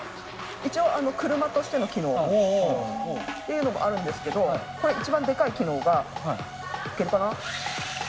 一応車としての機能っていうのもあるんですけどこれ一番でかい機能がいけるかな？